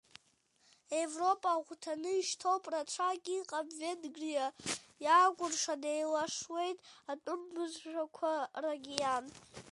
Европа агәҭаны ишьҭоуп рацәак иҟам Венгриа, иаакәршан еилашуеит атәым бызшәақәа рокеан.